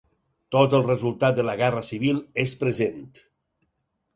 Tot el resultat de la guerra civil és present.